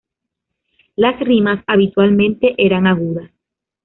Las rimas, habitualmente, eran agudas.